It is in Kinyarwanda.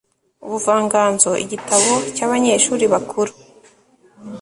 ubuvanganzo igitabo cyabanyeshuri bakuru